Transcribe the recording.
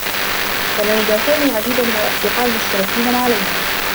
كان لدى سامي العديد من الأصدقاء المشتركين مع ليلى.